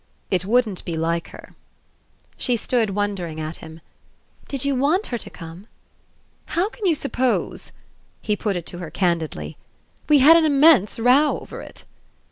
"It wouldn't be like her!" She stood wondering at him. "Did you want her to come?" "How can you suppose ?" He put it to her candidly. "We had an immense row over it."